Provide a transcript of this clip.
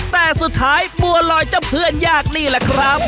แต่สุดท้ายบัวลอยเจ้าเพื่อนยากนี่แหละครับ